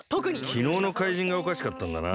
きのうのかいじんがおかしかったんだな。